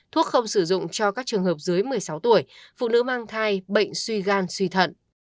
thuốc không sử dụng cho các trường hợp dưới một mươi sáu tuổi phụ nữ mang thai bệnh suy gan suy thận